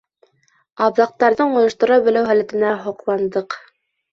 Абҙаҡтарҙың ойоштора белеү һәләтенә һоҡландыҡ.